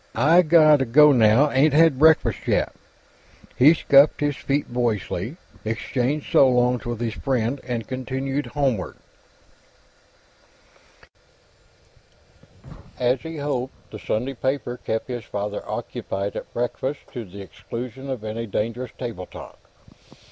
I gotta go, now; ain't had breakfast yet." He scuffed his feet boyishly, exchanged so longs with his friend, and continued homeward. As he had hoped, the Sunday paper kept his father occupied at breakfast, to the exclusion of any dangerous table talk.